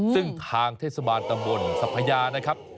ซึ่งทางเทศบาลตำบลสัพพยานะครับ